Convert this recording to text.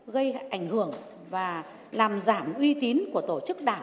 gây ảnh hưởng và làm giảm uy tín của tổ chức đảng